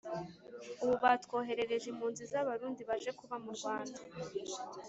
ubu batwoherereje impunzi z’abarundi baje kuba mu rwanda